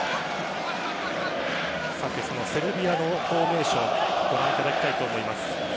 セルビアのフォーメーションご覧いただきます。